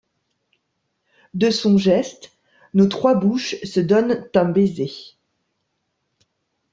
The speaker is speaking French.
De son geste, nos trois bouches se donnent un baiser.